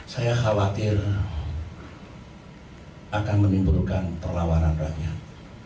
saya khawatir akan menimbulkan perlawanan rakyat